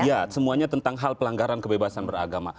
iya semuanya tentang hal pelanggaran kebebasan beragama